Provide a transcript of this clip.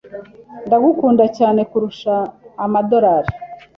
Ndagukunda cyane kurusha amadorari